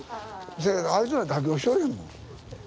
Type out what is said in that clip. せやけどあいつら妥協しよらへんもん。